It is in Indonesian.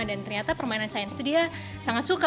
dan ternyata permainan sains itu dia sangat suka